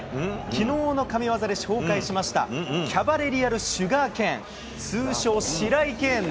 きのうの神技で紹介しました、キャバレリアル・シュガーケーン。